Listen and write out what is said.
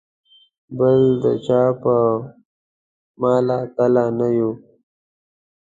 بل د چا په مله تله نه یو.